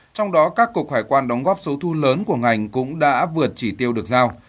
trong đó các cục hải quan đóng góp số thu lớn của ngành cũng đã vượt chỉ tiêu được giao